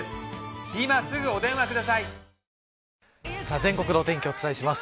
全国のお天気をお伝えします。